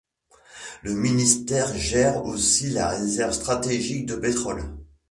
Le ministère gère aussi la réserve stratégique de pétrole.